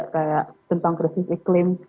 kayak tentang krisis iklim